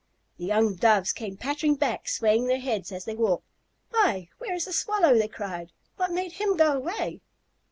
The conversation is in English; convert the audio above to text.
The young Doves came pattering back, swaying their heads as they walked. "Why, where is the Swallow?" they cried. "What made him go away?